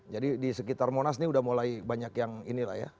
jadi di sekitar monas ini sudah mulai banyak yang ini lah ya